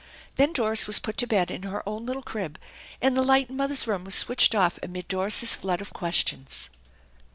Then Doris was put to bed in her own little crib, and the light in mother's room was switched off amid Doris's flood of questions.